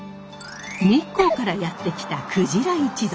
日光からやって来た久次良一族。